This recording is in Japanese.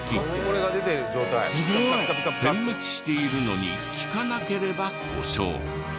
点滅しているのにきかなければ故障。